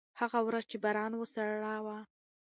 هغه ورځ چې باران و، سړه وه.